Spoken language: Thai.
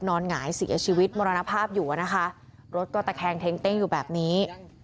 หงายเสียชีวิตมรณภาพอยู่อะนะคะรถก็ตะแคงเท้งเต้งอยู่แบบนี้